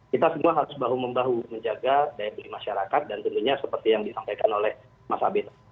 kita semua harus bahu membahu menjaga daya beli masyarakat dan tentunya seperti yang disampaikan oleh mas abed